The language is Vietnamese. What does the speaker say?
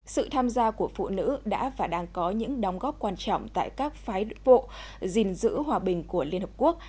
sự tham gia của phụ nữ đã và đang có những đóng góp quan trọng tại các phái vụ gìn giữ hòa bình của liên hợp quốc